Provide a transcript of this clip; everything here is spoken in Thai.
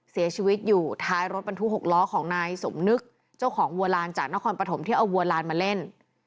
เสียชีวิตอยู่ท้ายรถบรรทุก๖ล้อของนายสมนึกเจ้าของวัวลานจากนครปฐมที่เอาวัวลานมาเล่น